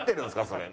それ。